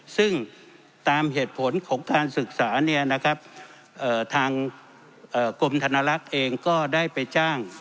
ซึ่งตามเหตุผลของการศึกษาเนี่ยนะครับเอ่อทางเอ่อกรมธนรักษ์เองก็ได้ไปจ้าง